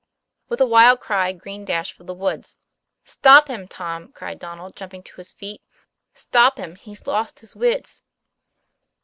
With a wild cry, Green dashed for the woods. "Stop him, Tom," cried Donnel, jumping to his feet, "stop him; he's lost his wits."